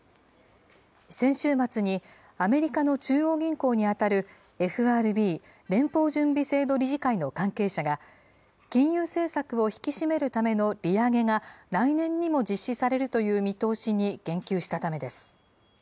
先週末にアメリカの中央銀行に当たるＦＲＢ・連邦準備制度理事会の関係者が、金融政策を引き締めるための利上げが来年にも実施されるという見通しに言及したためです。